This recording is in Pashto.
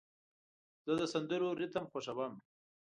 زه د سندرو ریتم خوښوم.